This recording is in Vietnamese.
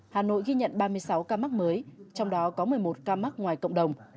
hà nội ghi nhận ba mươi sáu ca mắc mới trong đó có một mươi một ca mắc ngoài cộng đồng